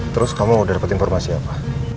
terus kamu udah dapet informasi apa